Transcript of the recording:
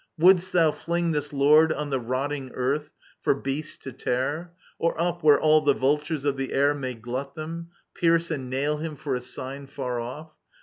Wouldst thou fling This lord on the rotting earth for beasts to tear ? Or up, where all the vultures of the air May glut them, pierce and nail him for a sign Far oflF?